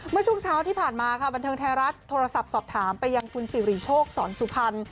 เมื่อช่วงเช้าที่ผ่านมาค่ะบันเทิงไทยรัฐโทรศัพท์สอบถามไปยังคุณสิริโชคสอนสุพรรณ